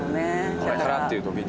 これからっていうときに。